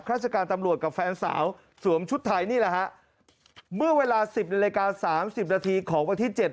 ราชการตำรวจกับแฟนสาวสวมชุดไทยนี่แหละฮะเมื่อเวลาสิบนาฬิกาสามสิบนาทีของวันที่เจ็ด